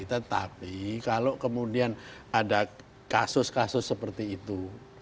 tetapi kalau kemudian ada kasus kasus seperti itu